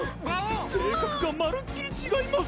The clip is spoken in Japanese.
性格がまるっきり違います。